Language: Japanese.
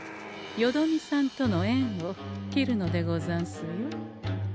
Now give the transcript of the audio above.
よどみさんとの縁を切るのでござんすよ。